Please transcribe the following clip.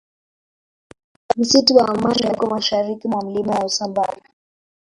msitu wa amani uko mashariki mwa milima ya usambara